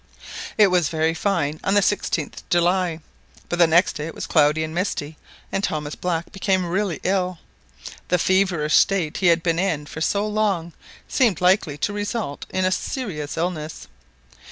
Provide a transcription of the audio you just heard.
It was very fine on the 16th July, but the next day it was cloudy and misty and Thomas Black became really ill. The feverish state he had been in for so long seemed likely to result in a serious illness.